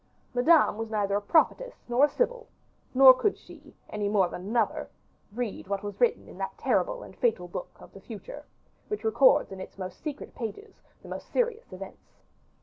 Madame was neither a prophetess nor a sibyl; nor could she, any more than another, read what was written in that terrible and fatal book of the future, which records in its most secret pages the most serious events.